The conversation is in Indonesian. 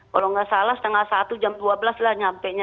kalau nggak salah setengah satu jam dua belas lah nyampenya